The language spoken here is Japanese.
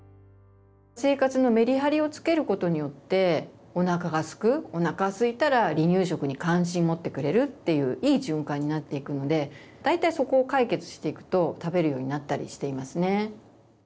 生活のメリハリをつけることによっておなかがすくおなかすいたら離乳食に関心持ってくれるっていういい循環になっていくので大体そこを解決していくと食べるようになったりしていますね。